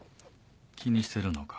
気にしてるのか？